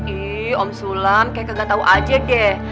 ii om sulam kaya kagak tau aja deh